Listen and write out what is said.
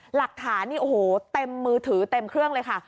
หลักฐานนี่โอ้โหเต็มมือถือเต็มเครื่องเลยค่ะ